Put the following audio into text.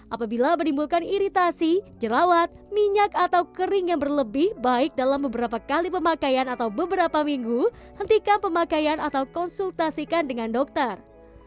apabila menimbulkan iritasi jerawat minyak atau kering yang berlebih baik dalam beberapa kali pemakaian atau beberapa minggu hentikan pemakaian atau konsultasikan dengan dokter